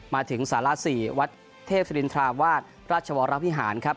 มาถึงสาระสี่วัดเทพศรีรินทราวาสพระราชวรรภิหารครับ